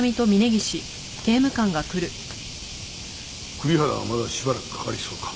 栗原はまだしばらくかかりそうか？